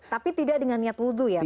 tapi tidak dengan niat wudu ya pak kai